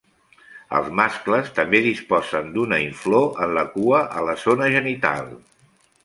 Els mascles també disposen d'una inflor en la cua a la zona genital.